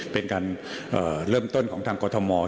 เป็นการเริ่มต้นของทางกรทม